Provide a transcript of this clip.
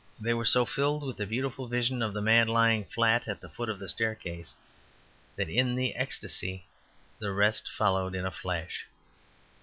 They were so filled with the beautiful vision of the man lying flat at the foot of the staircase that in that ecstasy the rest followed in a flash.